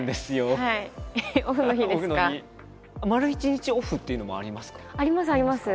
丸一日オフっていうのもありますか？